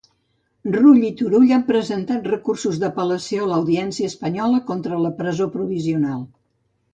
Rull i Turull han presentat recursos d'apel·lació a l'Audiència espanyola contra la presó provisional.